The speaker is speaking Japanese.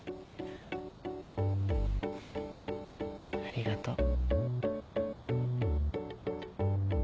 ありがとう。